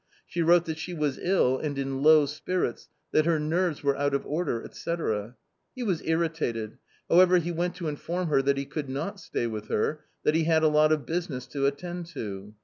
She wrote that she was ill and in low spirits, that her nerves were out of order, &c. He was irritated ; however, he went to inform her that he could not stay with her, that he had a lot of business to attend to.